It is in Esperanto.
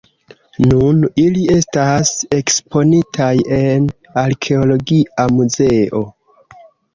Nun ili etas eksponitaj en Arkeologia Muzeo.